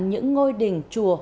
những ngôi đình chùa